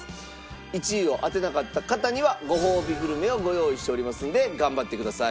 １位を当てなかった方にはごほうびグルメをご用意しておりますので頑張ってください。